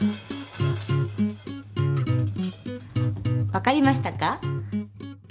わかりましたか？